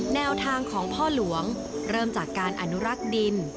แนวทางของพ่อหลวงเริ่มจากการอนุรักษ์ดิน